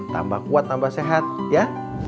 tambah kuat tambah sehat ya